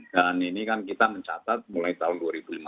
dan ini kan kita mencatat mulai tahun dua ribu lima belas